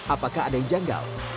apakah ada yang janggal